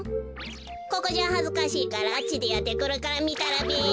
ここじゃはずかしいからあっちでやってくるからみたらべよ。